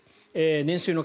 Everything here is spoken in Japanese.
年収の壁